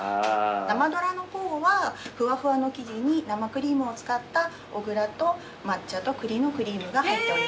ナマドラの方はフワフワの生地に生クリームを使った小倉と抹茶とくりのクリームが入っております。